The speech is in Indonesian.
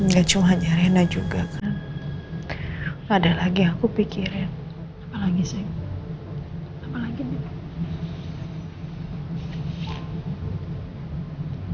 gak cuma hanya rena juga kan ada lagi yang aku pikirin apalagi sayang apalagi din